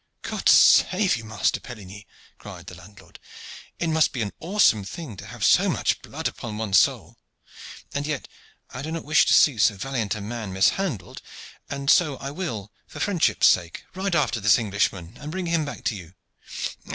"God save you, master Pelligny!" cried the landlord. "It must be an awesome thing to have so much blood upon one's soul. And yet I do not wish to see so valiant a man mishandled, and so I will, for friendship's sake, ride after this Englishman and bring him back to you."